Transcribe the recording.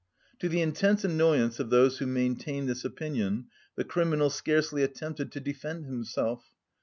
To the intense annoyance of those who maintained this opinion, the criminal scarcely attempted to defend himself.